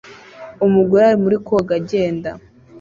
Umugore ari muri koga agenda